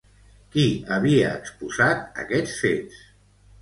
Qui havia exposat aquests fets?